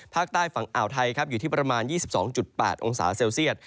ภาคใต้ฝั่งอ่าวไทยครับอยู่ที่ประมาณ๒๒๘องศาเซลเซียต